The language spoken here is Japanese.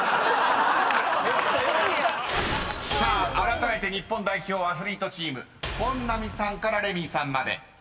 ［さああらためて日本代表アスリートチーム本並さんからレミイさんまで］